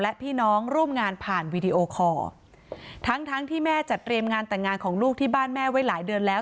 และพี่น้องร่วมงานผ่านวีดีโอคอร์ทั้งทั้งที่แม่จัดเตรียมงานแต่งงานของลูกที่บ้านแม่ไว้หลายเดือนแล้ว